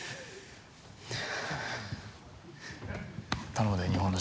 頼むで日本の。